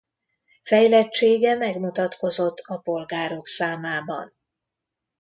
Fejlettsége megmutatkozott a polgárok számában.